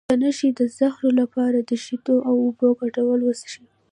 د نشې د زهرو لپاره د شیدو او اوبو ګډول وڅښئ